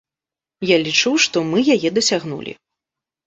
Я лічу, што мы яе дасягнулі.